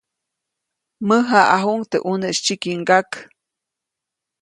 Mäjaʼajuʼuŋ teʼ ʼuneʼis tsyikingyak.